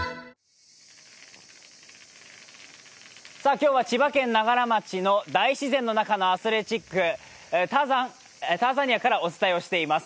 今日は千葉県長柄町の大自然の中のアスレチック、ターザニアからお伝えしております。